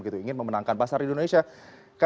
ingin memenangkan pasar di indonesia